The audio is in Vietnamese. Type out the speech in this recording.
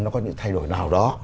nó có những thay đổi nào đó